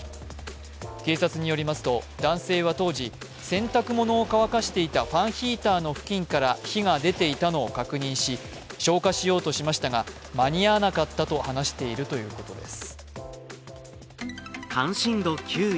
警察によりますと、男性は当時洗濯物を乾かしていたファンヒーターの付近から火が出ていたのを確認し、消火しようとしたが間に合わなかったと話しているということです。